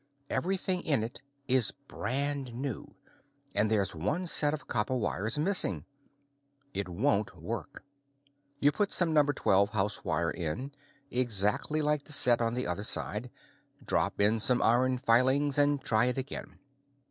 Everything in it is brand new and there's one set of copper wires missing! It won't work. You put some #12 house wire in, exactly like the set on the other side, drop in some iron filings, and try it again.